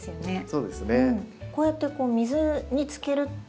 そうですね。